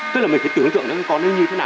tôi đang đục câu đối ạ